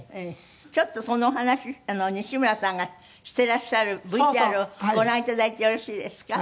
ちょっとそのお話西村さんがしていらっしゃるＶＴＲをご覧頂いてよろしいですか？